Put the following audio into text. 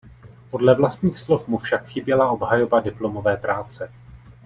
Podle vlastních slov mu však chyběla obhajoba diplomové práce.